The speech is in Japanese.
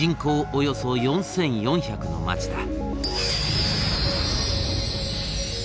およそ４，４００の町だ。